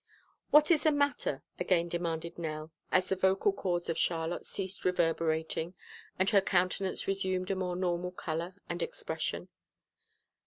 "What is the matter?" again demanded Nell, as the vocal chords of Charlotte ceased reverberating and her countenance resumed a more normal color and expression.